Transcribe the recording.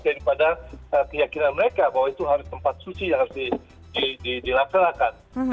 daripada keyakinan mereka bahwa itu harus tempat suci yang harus dilaksanakan